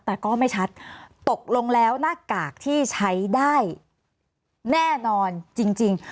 แต่ก็ไม่ชัดตกลงแล้วหน้ากากที่ใช้ได้แน่นอนจริง